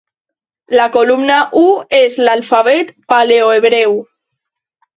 La columna I és l'alfabet paleohebreu.